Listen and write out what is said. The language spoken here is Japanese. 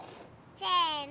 せの！